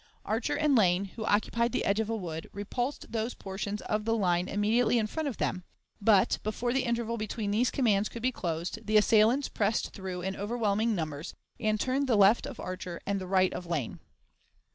Archer and Lane, who occupied the edge of a wood, repulsed those portions of the line immediately in front of them; but, before the interval between these commands could be closed, the assailants pressed through in overwhelming numbers and turned the left of Archer and the right of Lane.